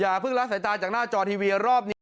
เพิ่งละสายตาจากหน้าจอทีวีรอบนี้